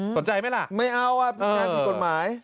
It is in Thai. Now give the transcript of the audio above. สนใจไหมล่ะไม่เอาผิดงานผิดกฎหมาย